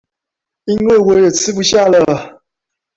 因為我也吃不下了